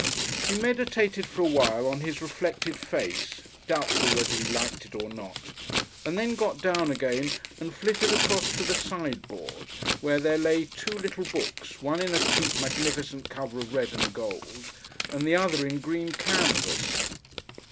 He meditated for awhile on his reflected face doubtful whether he liked it or not and then got down again and flitted across to the sideboard where there lay two little books, one in a cheap, magnificent cover of red and gold, and the other in green canvas.